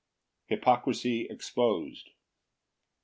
Hypocrisy exposed.